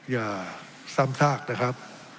อย่าซ้ำซากนะครับ